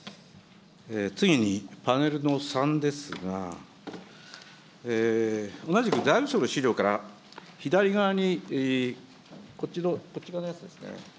次にパネルの３ですが、同じく財務省の資料から、左側に、こっち側のやつですね。